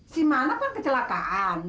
si manap kan kecelakaan